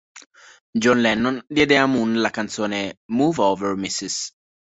John Lennon diede a Moon la canzone "Move Over Ms.